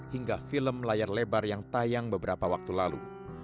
hingga film layar lebar yang tayang beberapa waktu lalu